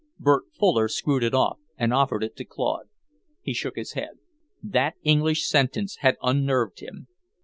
Bert Fuller screwed it off and offered it to Claude. He shook his head. That English sentence had unnerved him.